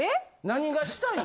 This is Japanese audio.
「何がしたい？」。